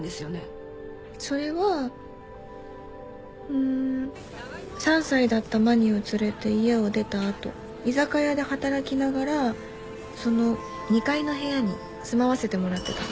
それはうーん３歳だったまにを連れて家を出たあと居酒屋で働きながらその２階の部屋に住まわせてもらってたんです。